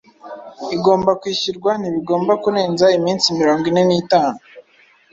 igomba kwishyurwa ntibigomba kurenza iminsi mirongo ine n’itanu